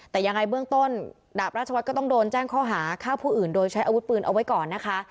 แต่ยังไงเบื้องต้นดาบราชวัฒน์ก็ต้องโดนแจ้งข้อหาฆ่าผู้อื่นโดยใช้อาวุธปืนเอาไว้ก่อนนะคะ